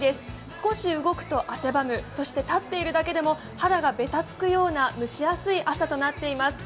少し動くと汗ばむ、そして立っているだけでも肌がべたつくような蒸し暑い朝となっています。